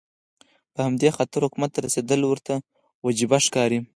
په همدې خاطر حکومت ته رسېدل ورته وجیبه ښکاري.